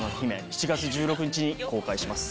７月１６日に公開します。